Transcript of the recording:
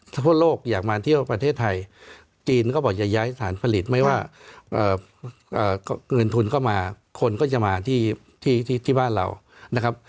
ถ้าพวกโลกอยากมาเที่ยวประเทศไทยจีนก็บอกจะย้ายสถานผลิตไม่ว่าเงินทุนเข้ามาคนก็จะมาที่บ้านเรานะครับ